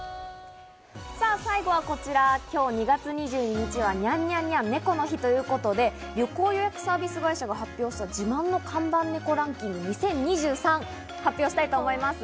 最後はこちら、今日２月２２日はニャン・ニャン・ニャン、ネコの日ということで、旅行予約サービス会社が発表した自慢の看板猫ランキング２０２３、発表したいと思います。